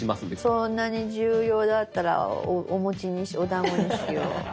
そんなに重要だったらおだんごにしよう。